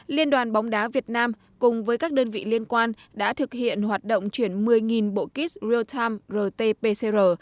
liên đoàn bóng đá việt nam cùng với các đơn vị liên quan đã thực hiện hoạt động chuyển một mươi bộ kit real time rt pcr